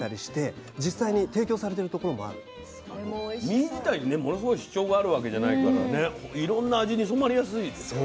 身自体にねものすごい主張があるわけじゃないからねいろんな味に染まりやすいですよね。